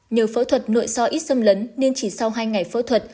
nhờ phẫu thuật nội so ít xâm lấn nên chỉ sau hai ngày phẫu thuật